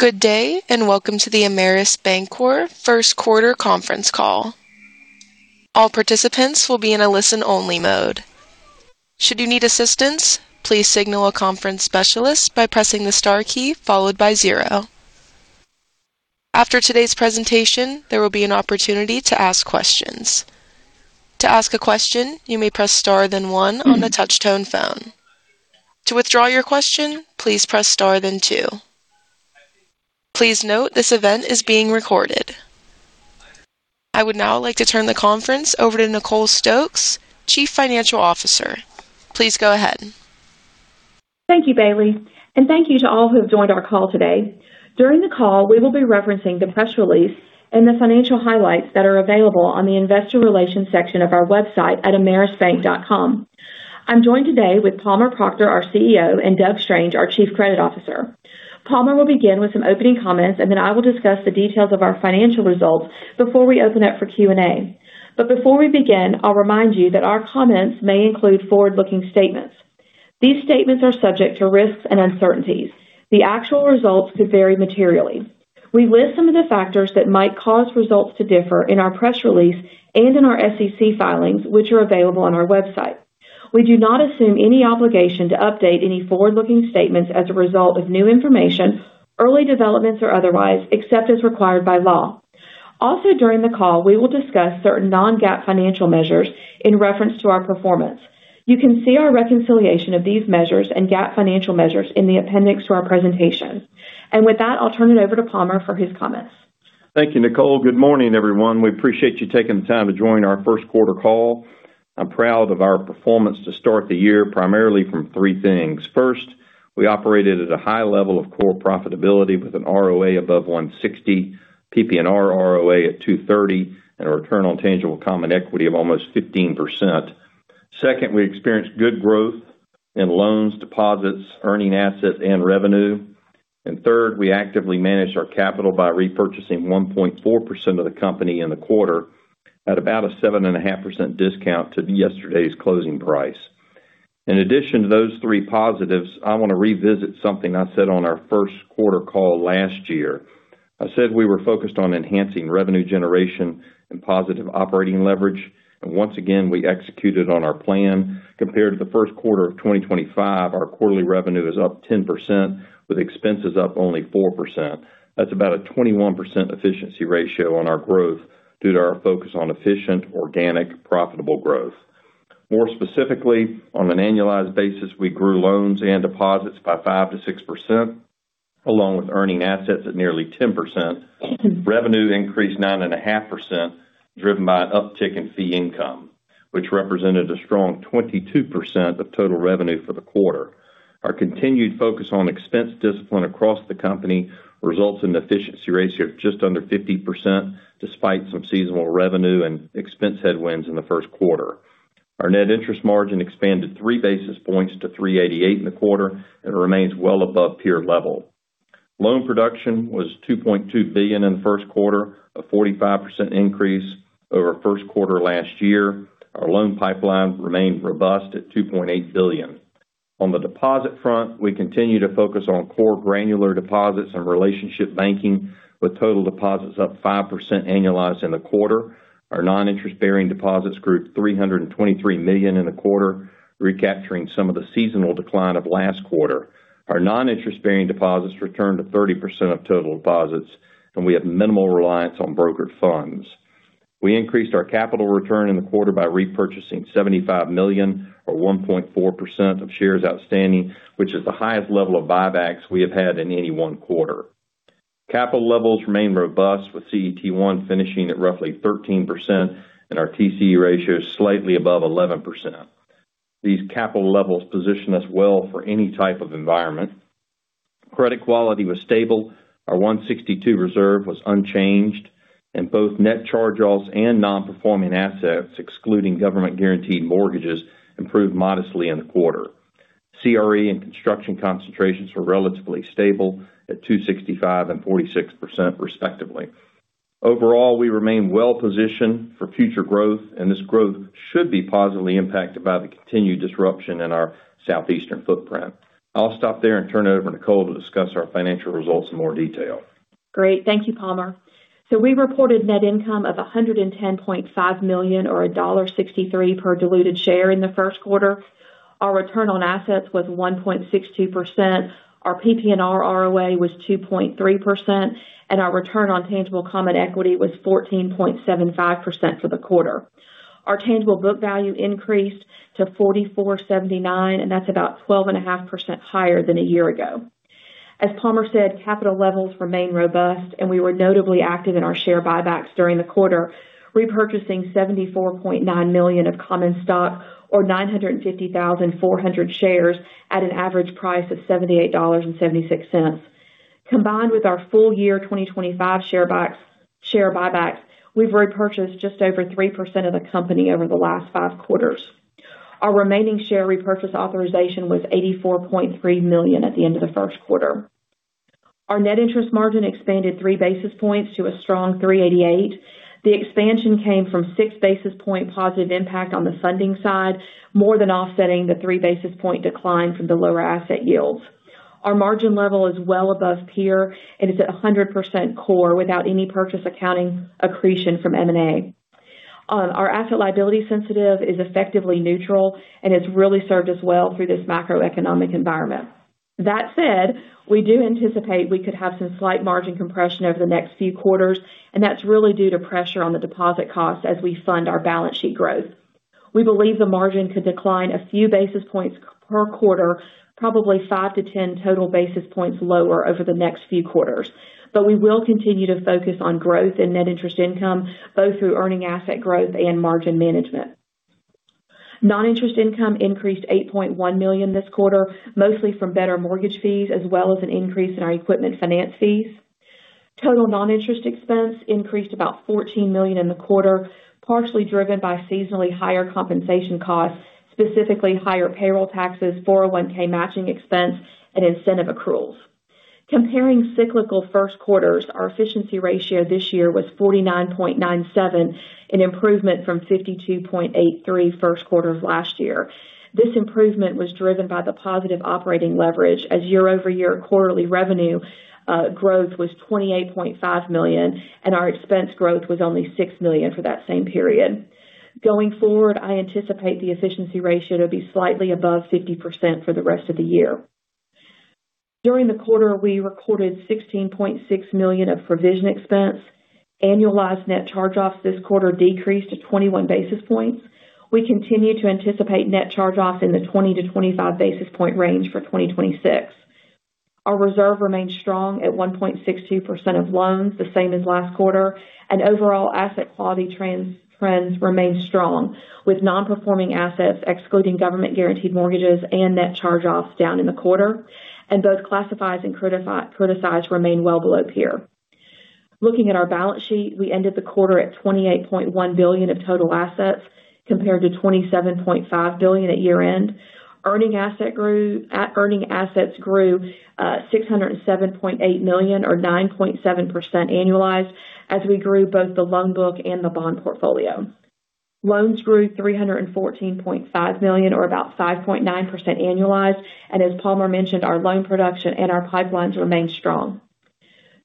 Good day, and welcome to the Ameris Bancorp first quarter conference call. All participants will be in a listen-only mode. Should you need assistance, please signal a conference specialist by pressing the star key followed by zero. After today's presentation, there will be an opportunity to ask questions. To ask a question, you may press star then one on the touch-tone phone. To withdraw your question, please press star then two. Please note this event is being recorded. I would now like to turn the conference over to Nicole Stokes, Chief Financial Officer. Please go ahead. Thank you Bailey. Thank you to all who have joined our call today. During the call, we will be referencing the press release and the financial highlights that are available on the investor relations section of our website at amerisbank.com. I'm joined today with Palmer Proctor our CEO, and Doug Strange, our Chief Credit Officer. Palmer will begin with some opening comments, and then I will discuss the details of our financial results before we open up for Q&A. Before we begin, I'll remind you that our comments may include forward-looking statements. These statements are subject to risks and uncertainties. The actual results could vary materially. We list some of the factors that might cause results to differ in our press release and in our SEC filings, which are available on our website. We do not assume any obligation to update any forward-looking statements as a result of new information, early developments, or otherwise, except as required by law. Also during the call, we will discuss certain non-GAAP financial measures in reference to our performance. You can see our reconciliation of these measures and GAAP financial measures in the appendix to our presentation. With that, I'll turn it over to Palmer for his comments. Thank you Nicole. Good morning everyone. We appreciate you taking the time to join our first quarter call. I'm proud of our performance to start the year, primarily from three things. First, we operated at a high level of core profitability with an ROA above 160, PPNR ROA at 230, and a return on tangible common equity of almost 15%. Second, we experienced good growth in loans, deposits, earning assets, and revenue. Third, we actively managed our capital by repurchasing 1.4% of the company in the quarter at about a 7.5% discount to yesterday's closing price. In addition to those three positives, I want to revisit something I said on our first quarter call last year. I said we were focused on enhancing revenue generation and positive operating leverage, and once again, we executed on our plan. Compared to the first quarter of 2025, our quarterly revenue is up 10%, with expenses up only 4%. That's about a 21% efficiency ratio on our growth due to our focus on efficient, organic, profitable growth. More specifically, on an annualized basis, we grew loans and deposits by 5%-6%, along with earning assets at nearly 10%. Revenue increased 9.5%, driven by an uptick in fee income, which represented a strong 22% of total revenue for the quarter. Our continued focus on expense discipline across the company results in efficiency ratio just under 50%, despite some seasonal revenue and expense headwinds in the first quarter. Our net interest margin expanded 3 basis points to 388 in the quarter and remains well above peer level. Loan production was $2.2 billion in the first quarter, a 45% increase over first quarter last year. Our loan pipeline remained robust at $2.8 billion. On the deposit front, we continue to focus on core granular deposits and relationship banking, with total deposits up 5% annualized in the quarter. Our non-interest-bearing deposits grew $323 million in the quarter, recapturing some of the seasonal decline of last quarter. Our non-interest-bearing deposits returned to 30% of total deposits, and we have minimal reliance on brokered funds. We increased our capital return in the quarter by repurchasing $75 million, or 1.4% of shares outstanding, which is the highest level of buybacks we have had in any one quarter. Capital levels remain robust, with CET1 finishing at roughly 13%, and our TCE ratio is slightly above 11%. These capital levels position us well for any type of environment. Credit quality was stable. Our ACL reserve was unchanged. Both net charge-offs and non-performing assets, excluding government-guaranteed mortgages, improved modestly in the quarter. CRE and construction concentrations were relatively stable at 265% and 46%, respectively. Overall, we remain well-positioned for future growth, and this growth should be positively impacted by the continued disruption in our southeastern footprint. I'll stop there and turn it over to Nicole to discuss our financial results in more detail. Great. Thank you Palmer. We reported net income of $110.5 million, or $1.63 per diluted share in the first quarter. Our return on assets was 1.62%, our PPNR ROA was 2.3%, and our return on tangible common equity was 14.75% for the quarter. Our tangible book value increased to $44.79, and that's about 12.5% higher than a year ago. As Palmer said, capital levels remain robust, and we were notably active in our share buybacks during the quarter, repurchasing $74.9 million of common stock or 950,400 shares at an average price of $78.76. Combined with our full year 2025 share buybacks, we've repurchased just over 3% of the company over the last five quarters. Our remaining share repurchase authorization was $84.3 million at the end of the first quarter. Our net interest margin expanded 3 basis points to a strong 3.88%. The expansion came from six basis points positive impact on the funding side, more than offsetting the three basis points decline from the lower asset yields. Our margin level is well above peer and is at 100% core without any purchase accounting accretion from M&A. Our asset-liability sensitivity is effectively neutral and has really served us well through this macroeconomic environment. That said, we do anticipate we could have some slight margin compression over the next few quarters, and that's really due to pressure on the deposit costs as we fund our balance sheet growth. We believe the margin could decline a few basis points per quarter, probably 5-10 total basis points lower over the next few quarters. We will continue to focus on growth and net interest income, both through earning asset growth and margin management. Non-interest income increased $8.1 million this quarter, mostly from better mortgage fees, as well as an increase in our equipment finance fees. Total non-interest expense increased about $14 million in the quarter, partially driven by seasonally higher compensation costs, specifically higher payroll taxes, 401(k) matching expense, and incentive accruals. Comparing cyclical first quarters, our efficiency ratio this year was 49.97%, an improvement from 52.83% first quarter of last year. This improvement was driven by the positive operating leverage as year-over-year quarterly revenue growth was $28.5 million, and our expense growth was only $6 million for that same period. Going forward, I anticipate the efficiency ratio to be slightly above 50% for the rest of the year. During the quarter, we recorded $16.6 million of provision expense. Annualized net charge-offs this quarter decreased to 21 basis points. We continue to anticipate net charge-offs in the 20-25 basis point range for 2026. Our reserve remained strong at 1.62% of loans, the same as last quarter, and overall asset quality trends remained strong, with non-performing assets excluding government-guaranteed mortgages and net charge-offs down in the quarter, and both classifies and criticizes remain well below peer. Looking at our balance sheet, we ended the quarter at $28.1 billion of total assets compared to $27.5 billion at year-end. Earning assets grew $607.8 million or 9.7% annualized as we grew both the loan book and the bond portfolio. Loans grew $314.5 million or about 5.9% annualized. As Palmer mentioned, our loan production and our pipelines remain strong.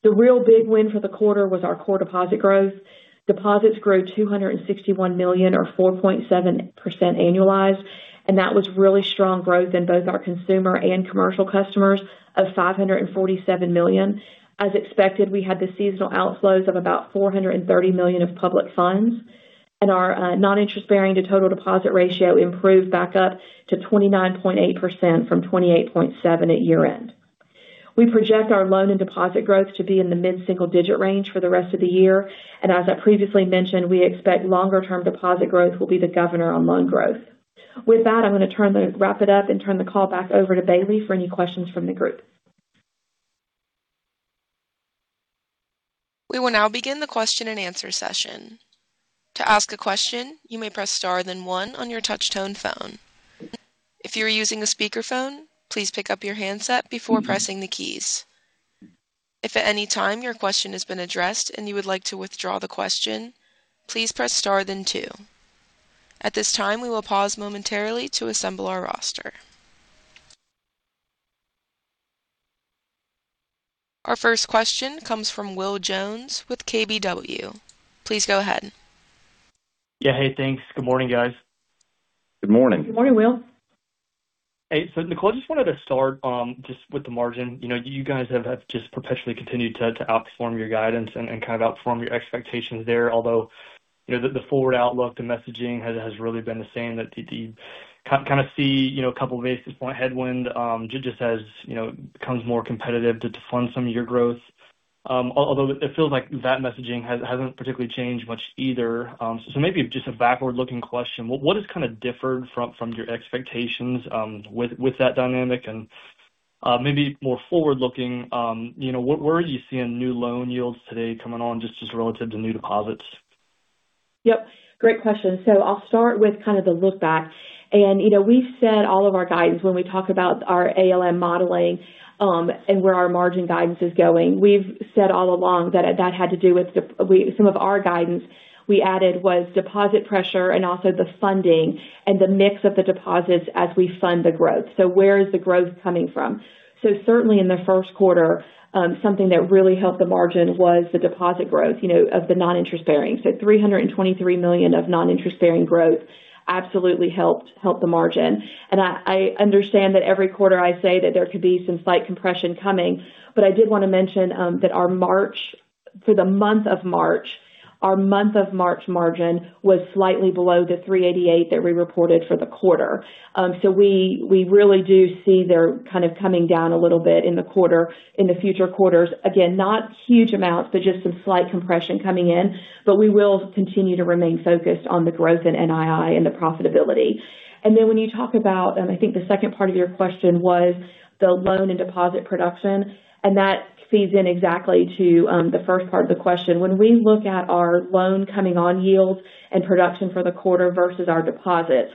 The real big win for the quarter was our core deposit growth. Deposits grew $261 million or 4.7% annualized, and that was really strong growth in both our consumer and commercial customers of $547 million. As expected, we had the seasonal outflows of about $430 million of public funds. Our non-interest-bearing to total deposit ratio improved back up to 29.8% from 28.7% at year-end. We project our loan and deposit growth to be in the mid-single-digit range for the rest of the year. As I previously mentioned, we expect longer-term deposit growth will be the governor on loan growth. With that, I'm going to wrap it up and turn the call back over to Bailey for any questions from the group. We will now begin the question and answer session. To ask a question, you may press star, then one on your touch-tone phone. If you are using a speakerphone, please pick up your handset before pressing the keys. If at any time your question has been addressed and you would like to withdraw the question, please press star then two. At this time, we will pause momentarily to assemble our roster. Our first question comes from Will Jones with KBW. Please go ahead. Yeah. Hey thanks. Good morning guys. Good morning. Good morning Will. Hey Nicole, just wanted to start just with the margin. You guys have just perpetually continued to outperform your guidance and kind of outperform your expectations there. Although the forward outlook, the messaging has really been the same. That they kind of see a couple of basis points headwind just as it becomes more competitive to fund some of your growth. Although it feels like that messaging hasn't particularly changed much either. Maybe just a backward-looking question. What has kind of differed from your expectations with that dynamic and maybe more forward-looking, where are you seeing new loan yields today coming on just as relative to new deposits? Yep, great question. I'll start with kind of the look back. We've said all of our guidance when we talk about our ALM modeling, and where our margin guidance is going. We've said all along that some of our guidance we added was deposit pressure and also the funding and the mix of the deposits as we fund the growth. Where is the growth coming from? Certainly in the first quarter, something that really helped the margin was the deposit growth of the non-interest-bearing. $323 million of non-interest-bearing growth absolutely helped the margin. I understand that every quarter I say that there could be some slight compression coming. I did want to mention that for the month of March, our month of March margin was slightly below the 3.88% that we reported for the quarter. We really do see they're kind of coming down a little bit in the quarter, in the future quarters. Again, not huge amounts, but just some slight compression coming in. We will continue to remain focused on the growth in NII and the profitability. Then when you talk about, and I think the second part of your question was the loan and deposit production, and that feeds in exactly to the first part of the question. When we look at our loan coupon yields and production for the quarter versus our deposits,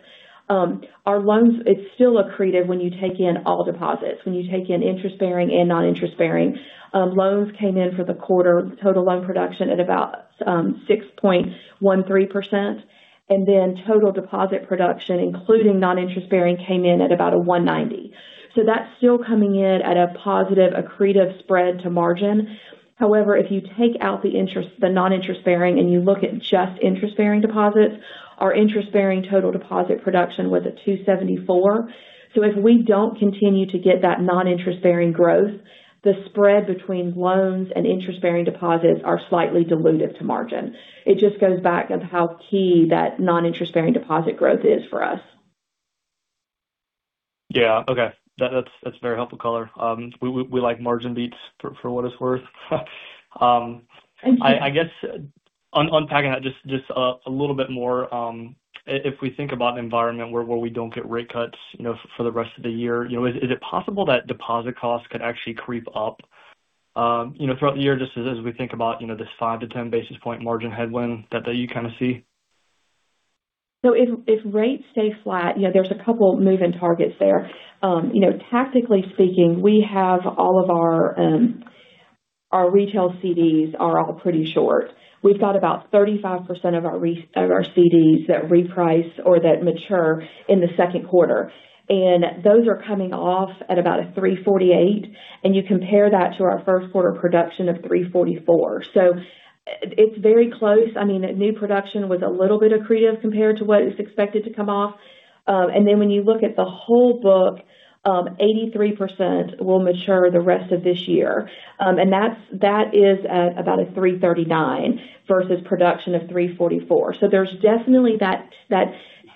our loans, it's still accretive when you take in all deposits, when you take in interest-bearing and non-interest-bearing. Loans came in for the quarter, total loan production at about 6.13%. Total deposit production, including non-interest-bearing, came in at about 1.90%. That's still coming in at a positive accretive spread to margin. However, if you take out the non-interest-bearing and you look at just interest-bearing deposits, our interest-bearing total deposit production was at 274. If we don't continue to get that non-interest-bearing growth, the spread between loans and interest-bearing deposits are slightly dilutive to margin. It just goes back on how key that non-interest-bearing deposit growth is for us. Yeah. Okay. That's very helpful color. We like margin beats for what it's worth. Thank you. I guess, unpacking that just a little bit more, if we think about an environment where we don't get rate cuts for the rest of the year, is it possible that deposit costs could actually creep up throughout the year just as we think about this 5-10 basis points margin headwind that you kind of see? If rates stay flat, there's a couple moving targets there. Tactically speaking, we have all of our retail CDs are all pretty short. We've got about 35% of our CDs that reprice or that mature in the second quarter. Those are coming off at about 3.48%, and you compare that to our first quarter production of 3.44%. It's very close. New production was a little bit accretive compared to what is expected to come off. When you look at the whole book, 83% will mature the rest of this year. That is at about 3.39% versus production of 3.44%. There's definitely that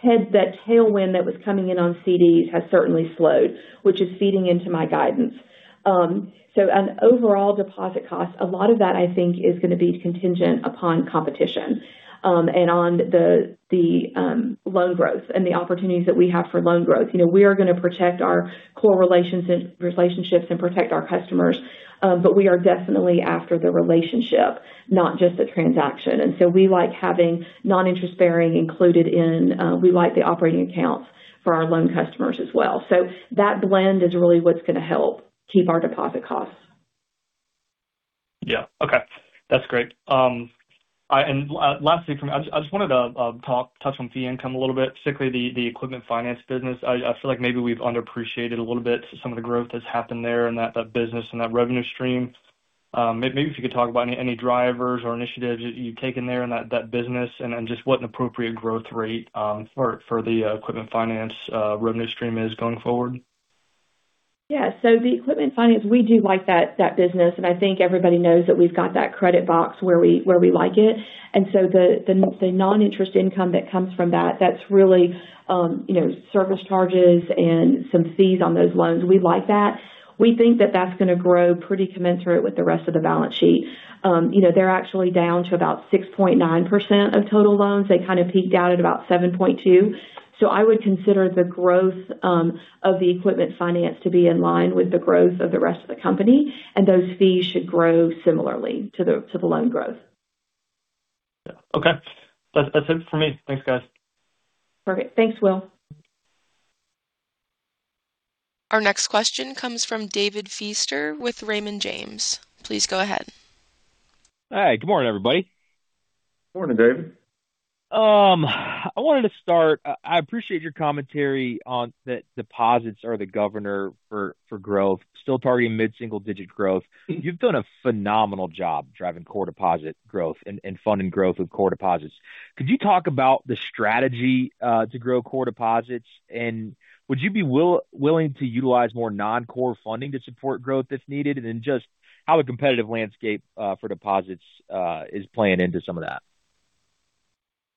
tailwind that was coming in on CDs has certainly slowed, which is feeding into my guidance. On overall deposit costs, a lot of that I think is going to be contingent upon competition, and on the loan growth and the opportunities that we have for loan growth. We are going to protect our core relationships and protect our customers. We are definitely after the relationship, not just the transaction. We like having non-interest-bearing included in, we like the operating accounts for our loan customers as well. That blend is really what's going to help keep our deposit costs. Yeah okay, that's great. Lastly from me, I just wanted to touch on fee income a little bit, specifically the equipment finance business. I feel like maybe we've underappreciated a little bit some of the growth that's happened there in that business and that revenue stream. Maybe if you could talk about any drivers or initiatives that you've taken there in that business and just what an appropriate growth rate for the equipment finance revenue stream is going forward. Yeah. The equipment finance, we do like that business and I think everybody knows that we've got that credit box where we like it. The non-interest income that comes from that's really service charges and some fees on those loans. We like that. We think that that's going to grow pretty commensurate with the rest of the balance sheet. They're actually down to about 6.9% of total loans. They kind of peaked out at about 7.2%. I would consider the growth of the equipment finance to be in line with the growth of the rest of the company, and those fees should grow similarly to the loan growth. Yeah okay that's it for me. Thanks, guys. Perfect. Thanks Will. Our next question comes from David Feaster with Raymond James. Please go ahead. Hi. Good morning everybody. Morning David. I wanted to start. I appreciate your commentary on that deposits are the governor for growth, still targeting mid-single digit growth. You've done a phenomenal job driving core deposit growth and funding growth of core deposits. Could you talk about the strategy to grow core deposits, and would you be willing to utilize more non-core funding to support growth if needed? Just how the competitive landscape for deposits is playing into some of that.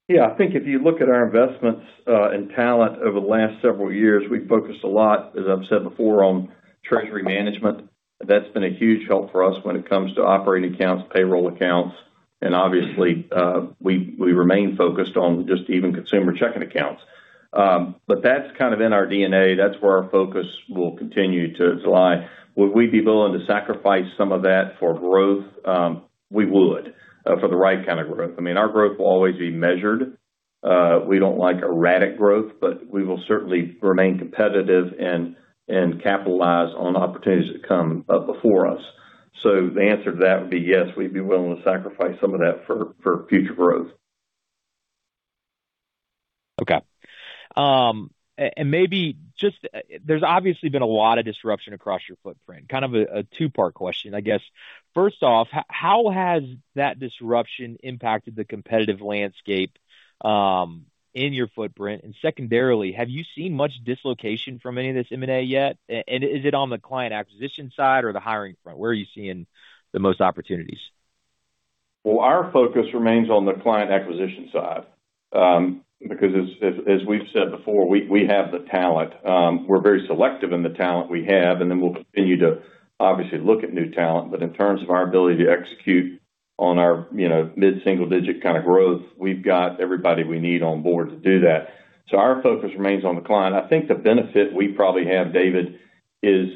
Yeah, I think if you look at our investments and talent over the last several years, we've focused a lot, as I've said before, on treasury management. That's been a huge help for us when it comes to operating accounts, payroll accounts, and obviously, we remain focused on just even consumer checking accounts. That's kind of in our DNA. That's where our focus will continue to lie. Would we be willing to sacrifice some of that for growth? We would, for the right kind of growth. Our growth will always be measured. We don't like erratic growth, but we will certainly remain competitive and capitalize on opportunities that come before us. The answer to that would be yes, we'd be willing to sacrifice some of that for future growth. Okay. There's obviously been a lot of disruption across your footprint, kind of a two-part question, I guess. First off, how has that disruption impacted the competitive landscape in your footprint? And secondarily, have you seen much dislocation from any of this M&A yet? And is it on the client acquisition side or the hiring front? Where are you seeing the most opportunities? Well, our focus remains on the client acquisition side. Because as we've said before, we have the talent. We're very selective in the talent we have, and then we'll continue to obviously look at new talent. In terms of our ability to execute on our mid-single digit kind of growth, we've got everybody we need on board to do that. Our focus remains on the client. I think the benefit we probably have, David, is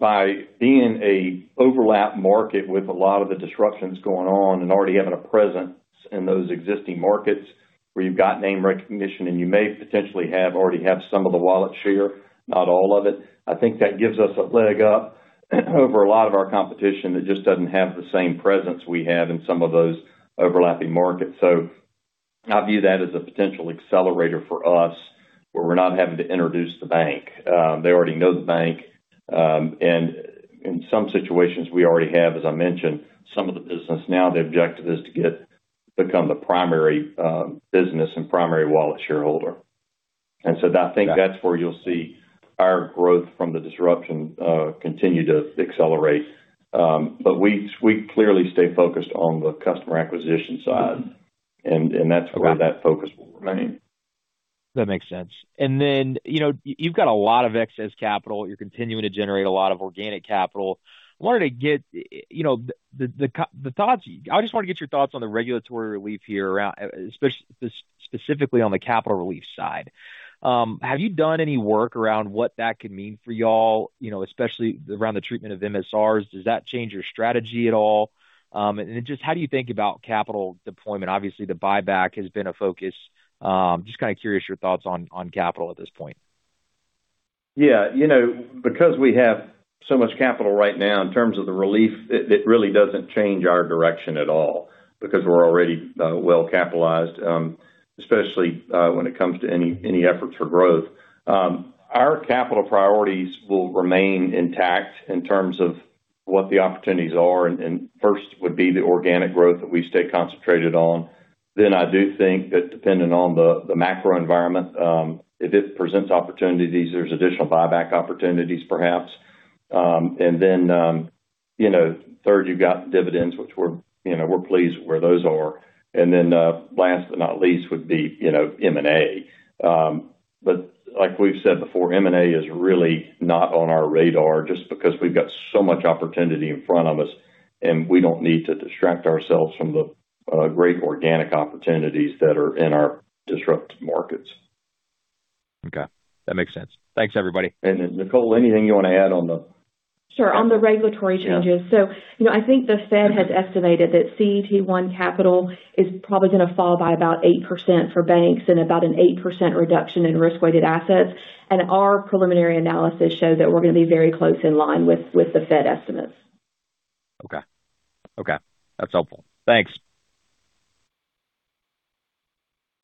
by being an overlap market with a lot of the disruptions going on and already having a presence in those existing markets where you've got name recognition and you may potentially already have some of the wallet share, not all of it. I think that gives us a leg up over a lot of our competition that just doesn't have the same presence we have in some of those overlapping markets. I view that as a potential accelerator for us, where we're not having to introduce the bank. They already know the bank. In some situations we already have as I mentioned, some of the business. Now, the objective is to become the primary business and primary wallet shareholder. I think that's where you'll see our growth from the disruption continue to accelerate. We clearly stay focused on the customer acquisition side, and that's where that focus will remain. That makes sense. You've got a lot of excess capital. You're continuing to generate a lot of organic capital. I just want to get your thoughts on the regulatory relief here around, specifically on the capital relief side. Have you done any work around what that could mean for y'all, especially around the treatment of MSRs? Does that change your strategy at all? Just how do you think about capital deployment? Obviously, the buyback has been a focus. Just kind of curious your thoughts on capital at this point. Yeah. Because we have so much capital right now in terms of the relief, it really doesn't change our direction at all, because we're already well-capitalized, especially when it comes to any efforts for growth. Our capital priorities will remain intact in terms of what the opportunities are, and first would be the organic growth that we stay concentrated on. I do think that depending on the macro environment, if it presents opportunities, there's additional buyback opportunities perhaps. third, you've got dividends, which we're pleased where those are. last but not least would be M&A. like we've said before, M&A is really not on our radar just because we've got so much opportunity in front of us, and we don't need to distract ourselves from the great organic opportunities that are in our disrupted markets. Okay that makes sense. Thanks everybody. Nicole, anything you want to add on the Sure. On the regulatory changes. Yeah. I think the Fed has estimated that CET1 capital is probably going to fall by about 8% for banks and about an 8% reduction in risk-weighted assets. Our preliminary analysis show that we're going to be very close in line with the Fed estimates. Okay that's helpful. Thanks.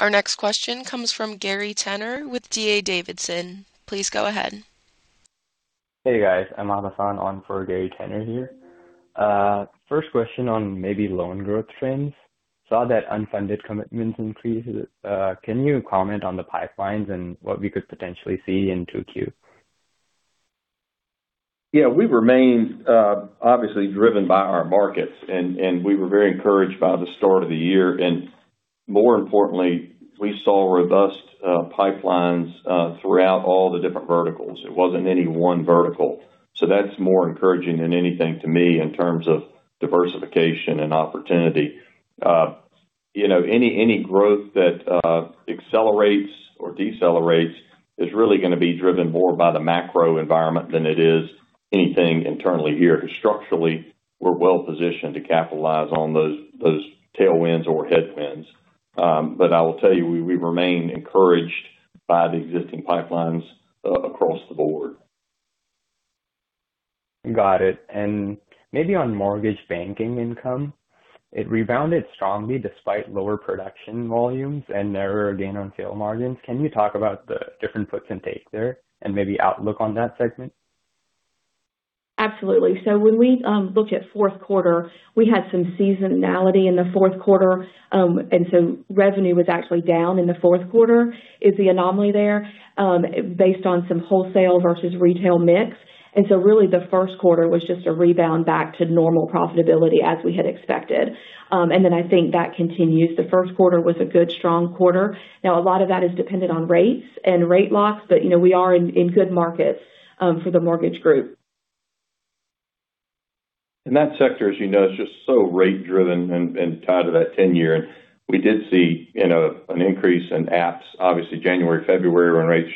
Our next question comes from Gary Tenner with D.A. Davidson. Please go ahead. Hey guys. I'm Ahsan on for Gary Tenner here. First question on maybe loan growth trends. Saw that unfunded commitments increased. Can you comment on the pipelines and what we could potentially see in 2Q? Yeah. We remain obviously driven by our markets, and we were very encouraged by the start of the year. More importantly, we saw robust pipelines throughout all the different verticals. It wasn't any one vertical. That's more encouraging than anything to me in terms of diversification and opportunity. Any growth that accelerates or decelerates is really going to be driven more by the macro environment than it is anything internally here. Because structurally, we're well positioned to capitalize on those tailwinds or headwinds. I will tell you, we remain encouraged by the existing pipelines across the board. Got it. Maybe on mortgage banking income, it rebounded strongly despite lower production volumes and narrower gain on sale margins. Can you talk about the different puts and takes there and maybe outlook on that segment? Absolutely. When we look at fourth quarter, we had some seasonality in the fourth quarter. Revenue was actually down in the fourth quarter, is the anomaly there, based on some wholesale versus retail mix. Really the first quarter was just a rebound back to normal profitability as we had expected. I think that continues. The first quarter was a good strong quarter. Now a lot of that is dependent on rates and rate locks, but we are in good markets for the mortgage group. That sector as you know, is just so rate driven and tied to that 10-year. We did see an increase in apps, obviously January, February when rates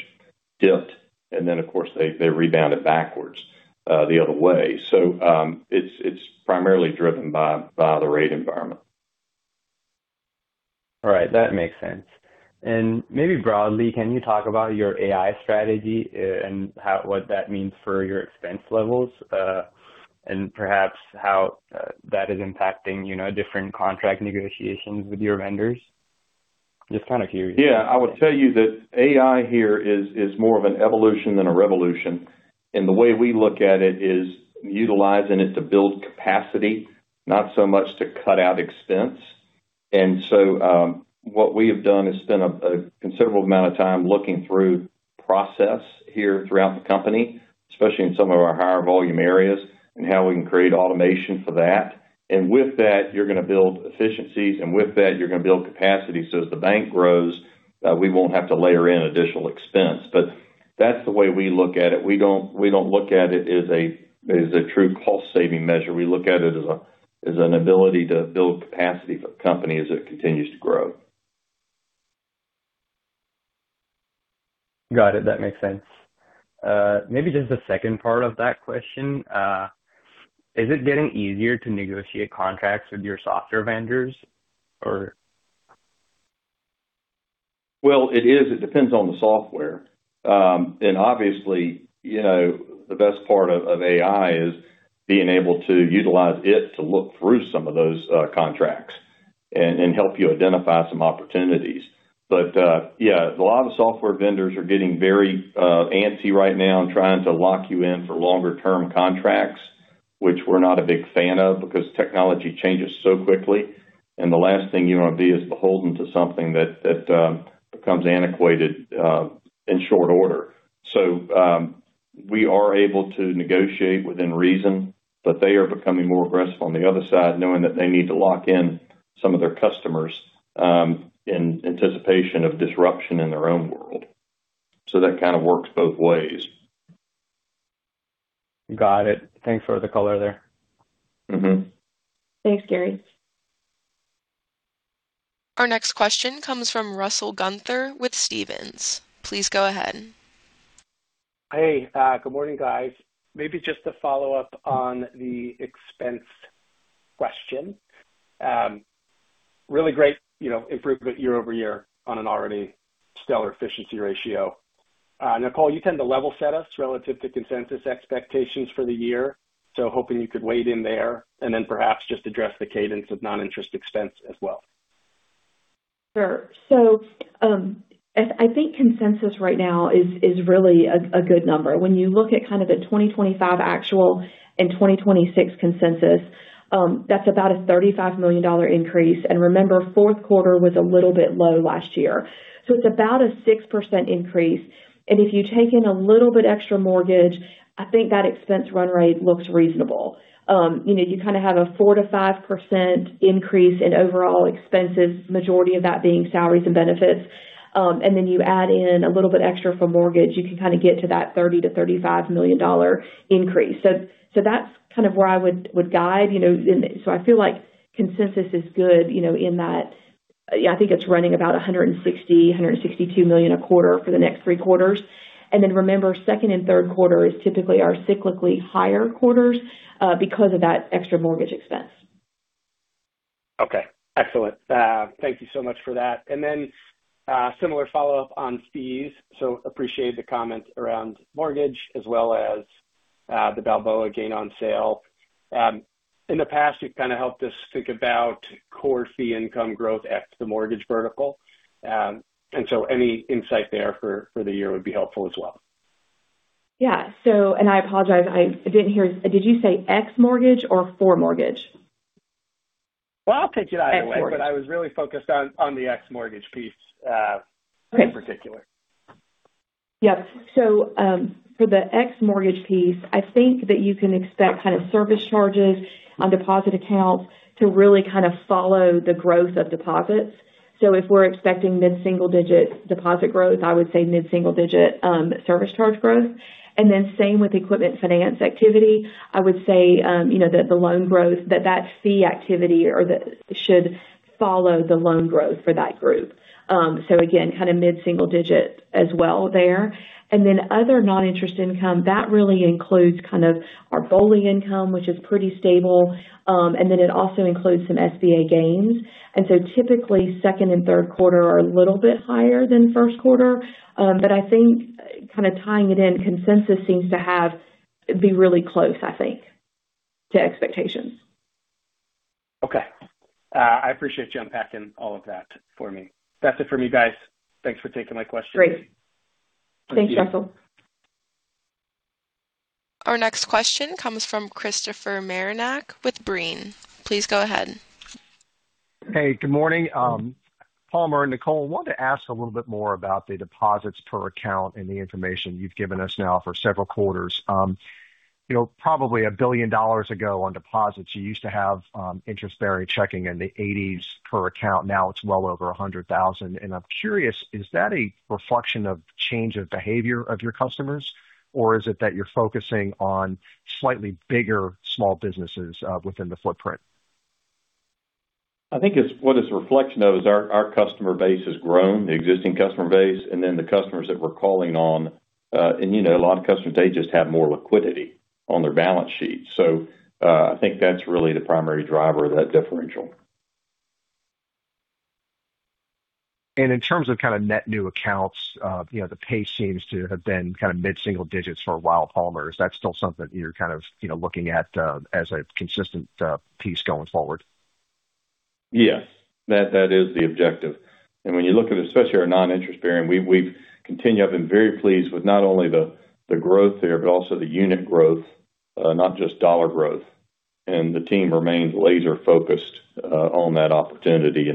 dipped, and then of course they rebounded backwards, the other way. It's primarily driven by the rate environment. All right that makes sense. Maybe broadly, can you talk about your AI strategy, and what that means for your expense levels, and perhaps how that is impacting different contract negotiations with your vendors? Just kind of curious. Yeah. I would tell you that AI here is more of an evolution than a revolution. The way we look at it is utilizing it to build capacity, not so much to cut out expense. What we have done is spent a considerable amount of time looking through process here throughout the company, especially in some of our higher volume areas, and how we can create automation for that. With that, you're going to build efficiencies, and with that, you're going to build capacity. As the bank grows, we won't have to layer in additional expense. That's the way we look at it. We don't look at it as a true cost-saving measure. We look at it as an ability to build capacity for the company as it continues to grow. Got it, that makes sense. Maybe just the second part of that question. Is it getting easier to negotiate contracts with your software vendors? Or Well, it is. It depends on the software. Obviously, the best part of AI is being able to utilize it to look through some of those contracts and help you identify some opportunities. Yeah, a lot of software vendors are getting very antsy right now in trying to lock you in for longer term contracts, which we're not a big fan of because technology changes so quickly, and the last thing you want to be is beholden to something that becomes antiquated in short order. We are able to negotiate within reason, but they are becoming more aggressive on the other side, knowing that they need to lock in some of their customers in anticipation of disruption in their own world. That kind of works both ways. Got it. Thanks for the color there. Mm-hmm. Thanks Gary. Our next question comes from Russell Gunther with Stephens. Please go ahead. Hey, good morning guys. Maybe just to follow up on the expense question. Really great improvement year-over-year on an already stellar efficiency ratio. Nicole, you tend to level set us relative to consensus expectations for the year. Hoping you could weigh in there and then perhaps just address the cadence of non-interest expense as well. Sure. I think consensus right now is really a good number. When you look at kind of the 2025 actual and 2026 consensus, that's about a $35 million increase. Remember, fourth quarter was a little bit low last year. It's about a 6% increase. If you take in a little bit extra mortgage, I think that expense run rate looks reasonable. You kind of have a 4%-5% increase in overall expenses, majority of that being salaries and benefits. Then you add in a little bit extra for mortgage, you can kind of get to that $30-$35 million increase. That's kind of where I would guide. I feel like consensus is good in that I think it's running about $160 million-$162 million a quarter for the next three quarters. Remember, second and third quarter is typically our cyclically higher quarters because of that extra mortgage expense. Okay. Excellent. Thank you so much for that. Similar follow-up on fees. Appreciate the comment around mortgage as well as the Balboa gain on sale. In the past, you've kind of helped us think about core fee income growth ex the mortgage vertical. Any insight there for the year would be helpful as well. Yeah. I apologize I didn't hear, did you say ex-mortgage or for mortgage? Well, I'll take it either way. Ex-mortgage. I was really focused on the ex-mortgage piece in particular. Yep. For the ex-mortgage piece, I think that you can expect kind of service charges on deposit accounts to really kind of follow the growth of deposits. If we're expecting mid-single-digit deposit growth, I would say mid-single-digit service charge growth. Same with equipment finance activity. I would say that the loan growth, that fee activity should follow the loan growth for that group. Again, kind of mid-single-digit as well there. Other non-interest income, that really includes kind of our BOLI income, which is pretty stable. It also includes some SBA gains. Typically second and third quarter are a little bit higher than first quarter. I think kind of tying it in consensus seems to be really close I think, to expectations. Okay. I appreciate you unpacking all of that for me. That's it for me, guys. Thanks for taking my questions. Great. Thanks, Russell. Our next question comes from Christopher Marinac with Brean. Please go ahead. Hey, good morning. Palmer and Nicole, I wanted to ask a little bit more about the deposits per account and the information you've given us now for several quarters. Probably $1 billion ago on deposits, you used to have interest-bearing checking in the 80s per account. Now it's well over $100,000. I'm curious, is that a reflection of change of behavior of your customers, or is it that you're focusing on slightly bigger small businesses within the footprint? I think what it's a reflection of is our customer base has grown, the existing customer base, and then the customers that we're calling on. A lot of customers, they just have more liquidity on their balance sheet. I think that's really the primary driver of that differential. In terms of kind of net new accounts, the pace seems to have been kind of mid-single digits for a while, Palmer. Is that still something you're kind of looking at as a consistent piece going forward? Yes. That is the objective. When you look at especially our non-interest-bearing, we've continued. I've been very pleased with not only the growth there, but also the unit growth, not just dollar growth. The team remains laser-focused on that opportunity.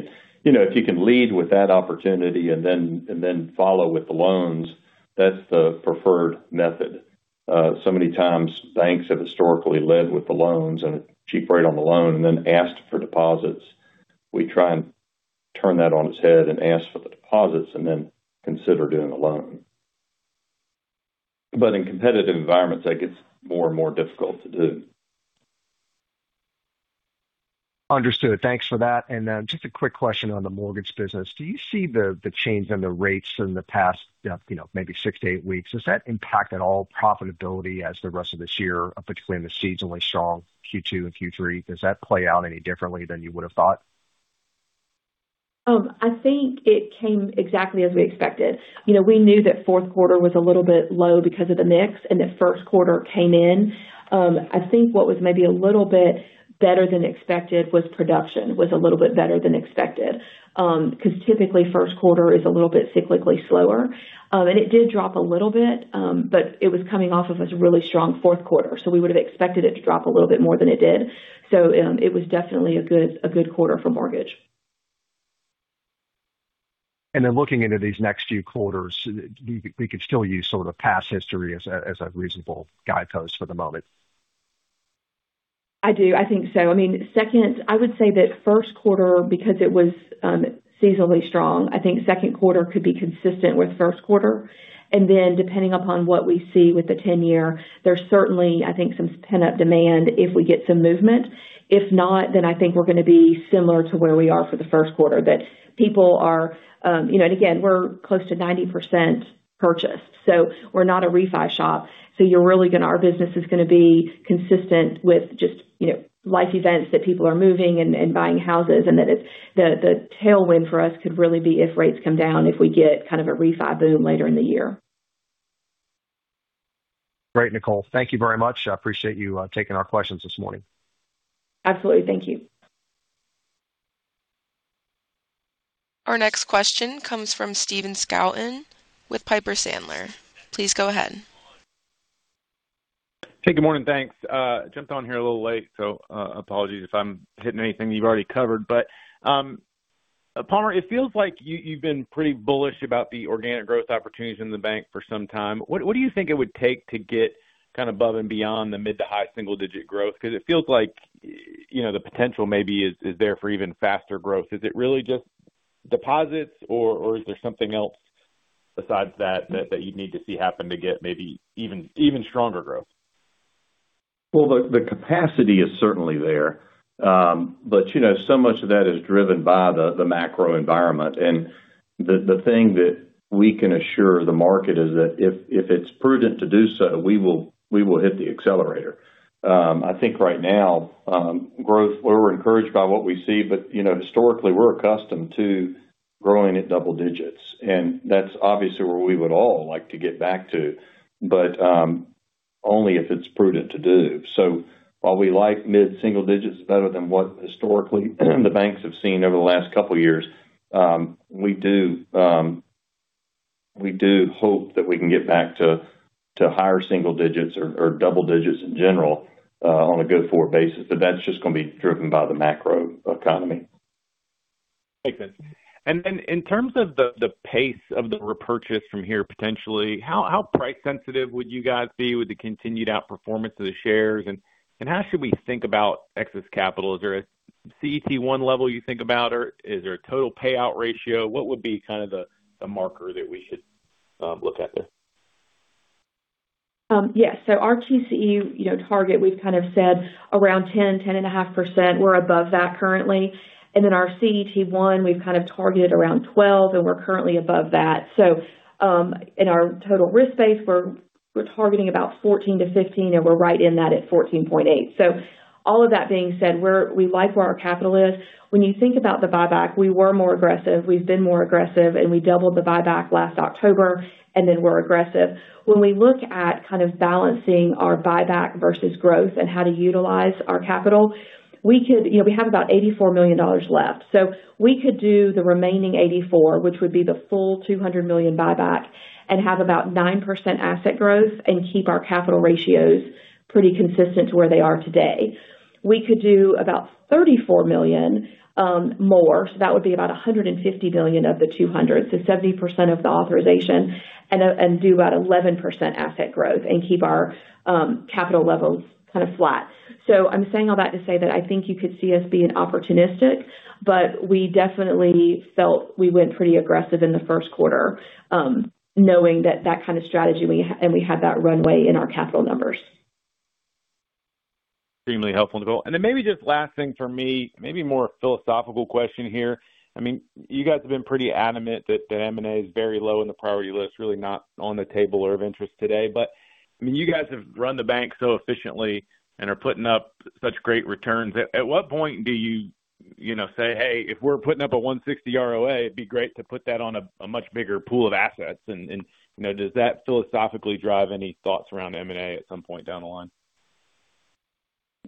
If you can lead with that opportunity and then follow with the loans, that's the preferred method. Many times, banks have historically led with the loans and a cheap rate on the loan and then asked for deposits. We try and turn that on its head and ask for the deposits and then consider doing a loan. In competitive environments, that gets more and more difficult to do. Understood. Thanks for that. Then just a quick question on the mortgage business. Do you see the change in the rates in the past maybe 6-8 weeks? Has that impacted all profitability as the rest of this year, particularly in the seasonally strong Q2 and Q3? Does that play out any differently than you would have thought? I think it came exactly as we expected. We knew that fourth quarter was a little bit low because of the mix and that first quarter came in. I think what was maybe a little bit better than expected was production. Because typically first quarter is a little bit cyclically slower. It did drop a little bit, but it was coming off of this really strong fourth quarter, so we would have expected it to drop a little bit more than it did. It was definitely a good quarter for mortgage. Looking into these next few quarters, we could still use sort of past history as a reasonable guidepost for the moment. I do, I think so. I would say that first quarter, because it was seasonally strong, I think second quarter could be consistent with first quarter. Then depending upon what we see with the 10-year, there's certainly, I think, some pent-up demand if we get some movement. If not, then I think we're going to be similar to where we are for the first quarter. Again, we're close to 90% purchase, so we're not a refi shop. Our business is going to be consistent with just life events, that people are moving and buying houses and the tailwind for us could really be if rates come down, if we get kind of a refi boom later in the year. Great Nicole. Thank you very much. I appreciate you taking our questions this morning. Absolutely. Thank you. Our next question comes from Stephen Scouten with Piper Sandler. Please go ahead. Hey good morning, thanks. Jumped on here a little late, so apologies if I'm hitting anything you've already covered. Palmer, it feels like you've been pretty bullish about the organic growth opportunities in the bank for some time. What do you think it would take to get kind of above and beyond the mid to high single digit growth? Because it feels like the potential maybe is there for even faster growth. Is it really just deposits or is there something else besides that you'd need to see happen to get maybe even stronger growth? Well, the capacity is certainly there. So much of that is driven by the macro environment. The thing that we can assure the market is that if it's prudent to do so, we will hit the accelerator. I think right now, growth, we're encouraged by what we see, but historically, we're accustomed to growing at double digits, and that's obviously where we would all like to get back to, only if it's prudent to do. While we like mid single digits better than what historically the banks have seen over the last couple of years, we do hope that we can get back to higher single digits or double digits in general, on a go-forward basis. That's just going to be driven by the macro economy. Makes sense. In terms of the pace of the repurchase from here, potentially, how price sensitive would you guys be with the continued outperformance of the shares, and how should we think about excess capital? Is there a CET1 level you think about, or is there a total payout ratio? What would be kind of the marker that we should look at there? Yes. Our TCE target, we've kind of said around 10%-10.5%. We're above that currently. Our CET1, we've kind of targeted around 12%, and we're currently above that. In our total risk base, we're targeting about 14%-15%, and we're right in that at 14.8%. All of that being said, we like where our capital is. When you think about the buyback, we were more aggressive, we've been more aggressive, and we doubled the buyback last October, and then we're aggressive. When we look at kind of balancing our buyback versus growth and how to utilize our capital, we have about $84 million left, so we could do the remaining $84 million, which would be the full $200 million buyback and have about 9% asset growth and keep our capital ratios pretty consistent to where they are today. We could do about $34 million more, so that would be about $150 billion of the $200 billion, so 70% of the authorization, and do about 11% asset growth and keep our capital levels kind of flat. I'm saying all that to say that I think you could see us being opportunistic, but we definitely felt we went pretty aggressive in the first quarter, knowing that that kind of strategy, and we had that runway in our capital numbers. Extremely helpful Nicole. Then maybe just last thing for me, maybe more a philosophical question here. You guys have been pretty adamant that the M&A is very low in the priority list, really not on the table or of interest today. You guys have run the bank so efficiently and are putting up such great returns. At what point do you say, Hey, if we're putting up a 1.60 ROA, it'd be great to put that on a much bigger pool of assets. Does that philosophically drive any thoughts around M&A at some point down the line?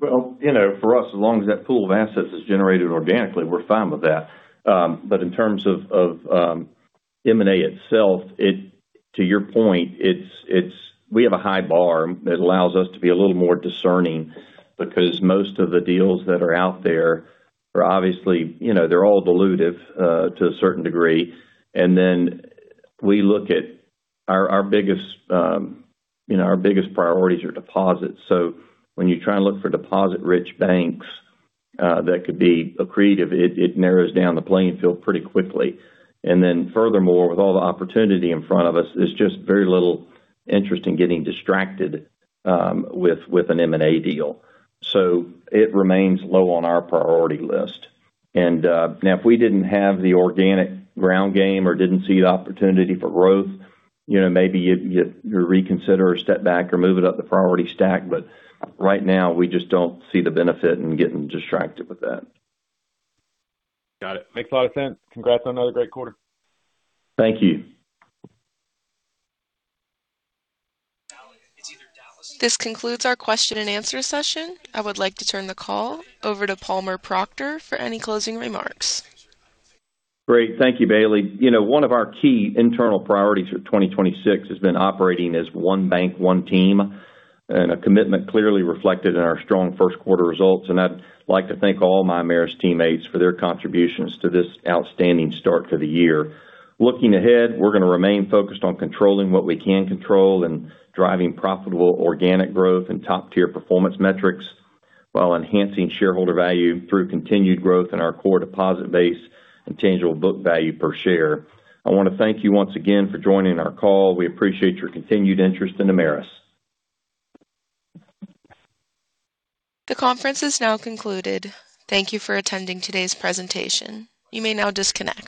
Well for us, as long as that pool of assets is generated organically, we're fine with that. In terms of M&A itself, to your point, we have a high bar that allows us to be a little more discerning because most of the deals that are out there are obviously all dilutive, to a certain degree. Our biggest priorities are deposits. When you try and look for deposit-rich banks that could be accretive, it narrows down the playing field pretty quickly. Furthermore, with all the opportunity in front of us, there's just very little interest in getting distracted with an M&A deal. It remains low on our priority list. Now, if we didn't have the organic ground game or didn't see the opportunity for growth, maybe you reconsider or step back or move it up the priority stack. Right now, we just don't see the benefit in getting distracted with that. Got it. Makes a lot of sense. Congrats on another great quarter. Thank you. This concludes our question and answer session. I would like to turn the call over to Palmer Proctor for any closing remarks. Great. Thank you Bailey. One of our key internal priorities for 2026 has been operating as one bank, one team, and a commitment clearly reflected in our strong first quarter results. I'd like to thank all my Ameris teammates for their contributions to this outstanding start to the year. Looking ahead, we're going to remain focused on controlling what we can control and driving profitable organic growth and top-tier performance metrics while enhancing shareholder value through continued growth in our core deposit base and tangible book value per share. I want to thank you once again for joining our call. We appreciate your continued interest in Ameris. The conference is now concluded. Thank you for attending today's presentation. You may now disconnect.